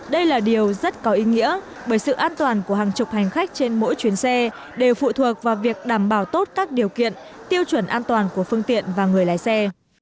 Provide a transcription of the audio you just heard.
đây là điều rất có ý nghĩa bởi sự an toàn của hàng chục hành khách trên mỗi chuyến xe đều phụ thuộc vào việc đảm bảo tốt các điều kiện tiêu chuẩn an toàn của phương tiện và người lái xe